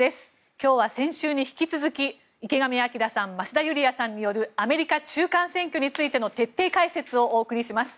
今日は先週に引き続き池上彰さん増田ユリヤさんによるアメリカ中間選挙についての徹底解説をお送りします。